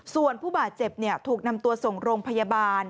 ส่วนผู้บาดเจ็บถูกนำตัวส่งโรงพยาบาล